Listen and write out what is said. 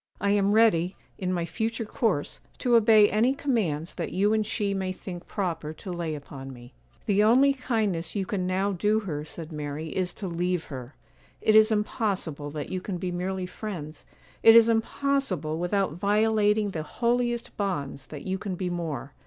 I am ready, in my future course, to obey any commands that you and she may think proper to lay upon me.' 'The only kindness you can now do her,' said Mary, 'is to leave her. It is impossible that you can be merely friends,—it is impossible, without violating the holiest bonds, that you can be more.